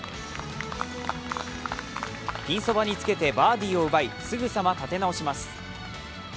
ピンそばにつけてバーディーを奪い、すぐさま立て直します。